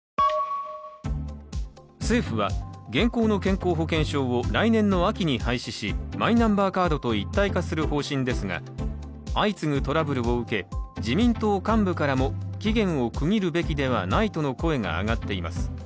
政府は現行の健康保険証を来年の秋に廃止しマイナンバーカードと一体化する方針ですが相次ぐトラブルを受け自民党幹部からも期限を区切るべきではないとの声が上がっています。